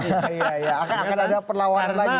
iya iya akan ada perlawanan lagi ya